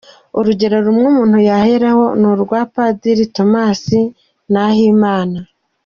Urugero rumwe umuntu yaheraho ni urwa Padiri Thomas Nahimana.